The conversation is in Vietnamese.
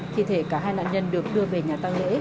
khi thế cả hai nạn nhân được đưa về nhà tăng lễ